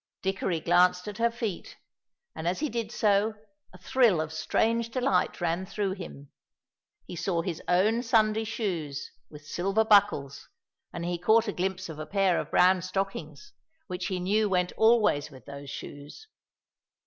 Dickory glanced at her feet, and as he did so, a thrill of strange delight ran through him. He saw his own Sunday shoes, with silver buckles, and he caught a glimpse of a pair of brown stockings, which he knew went always with those shoes.